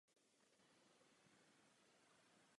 Někdy se za jejího autora považuje Lewis Carroll.